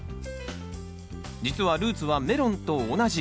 実はルーツはメロンと同じ。